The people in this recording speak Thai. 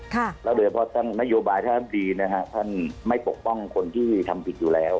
แล้วโดยเฉพาะท่านนโยบายท่านรับดีนะฮะท่านไม่ปกป้องคนที่ทำผิดอยู่แล้ว